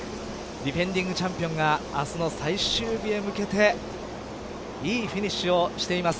ディングチャンピオンが明日の最終日へ向けていいフィニッシュをしています